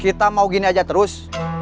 kita mau gini aja terus